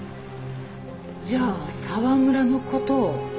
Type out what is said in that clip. じゃあ沢村の事を？